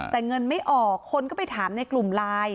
แต่เงินไม่ออกคนก็ไปถามในกลุ่มไลน์